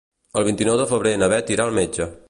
El vint-i-nou de febrer na Beth irà al metge.